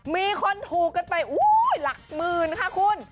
มีคนถูกกันไปหลักหมื่นค่ะคุณ